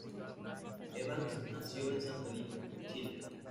Evans nació en San Felipe, Chile.